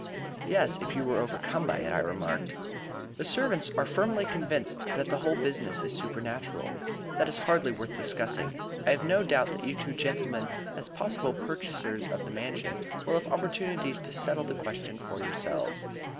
"Yes, if you were overcome by it," I remarked. "The servants are firmly convinced that the whole business is supernatural. That is hardly worth discussing. I have no doubt that you two gentlemen, as possible purchasers of the Mansion, will have opportunities to settle the question for yourselves."